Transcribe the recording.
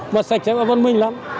mà sạch sẽ và văn minh lắm